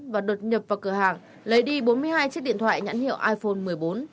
và đột nhập vào cửa hàng lấy đi bốn mươi hai chiếc điện thoại nhãn hiệu iphone một mươi bốn